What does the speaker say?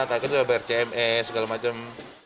kayaknya juga bayar cme segala macam